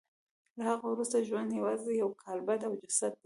له هغه وروسته ژوند یوازې یو کالبد او جسد دی